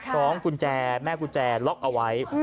ฟ้องกุญแจแม่กุญแจล็อกเอาไว้